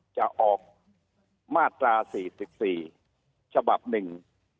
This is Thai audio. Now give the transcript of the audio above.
จะออกมาตรา๔๔ฉบับหนึ่ง